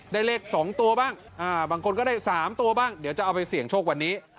เลข๒ตัวบ้างบางคนก็ได้๓ตัวบ้างเดี๋ยวจะเอาไปเสี่ยงโชควันนี้